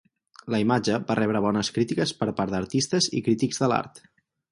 La imatge va rebre bones crítiques per part d'artistes i crítics de l'art.